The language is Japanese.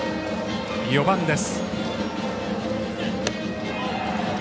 ４番です。